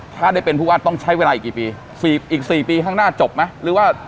ถ้าได้เป็นผู้ว่าต้องใช้เวลาอีกกี่ปีอีก๔ปีข้างหน้าจบไหมหรือว่า